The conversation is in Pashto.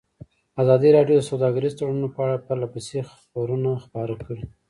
ازادي راډیو د سوداګریز تړونونه په اړه پرله پسې خبرونه خپاره کړي.